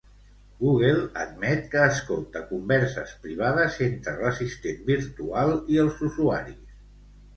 Google admet que escolta converses privades entre l'assistent virtual i els usuaris.